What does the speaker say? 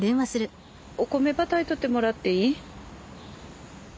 お米ば炊いとってもらっていい？